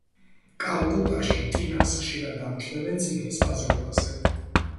კალკუტაში ტინას ხშირად ამჩნევენ წიგნის ბაზრობაზე.